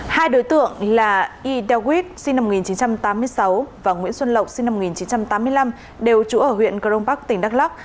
hai đối tượng là y đeo quýt sinh năm một nghìn chín trăm tám mươi sáu và nguyễn xuân lộng sinh năm một nghìn chín trăm tám mươi năm đều trụ ở huyện cờ rông bắc tỉnh đắk lắc